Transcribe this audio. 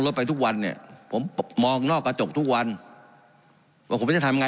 ไปทุกวันเนี่ยผมมองนอกกระจกทุกวันว่าผมจะทำไง